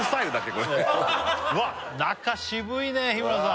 これうわっ中渋いね日村さん！